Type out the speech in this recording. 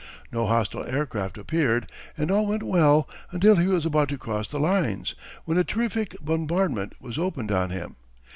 No hostile aircraft appeared and all went well until he was about to cross the lines, when a terrific bombardment was opened on him.